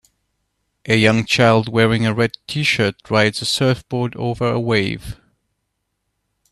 A young child wearing a red tshirt rides a surfboard over a wave.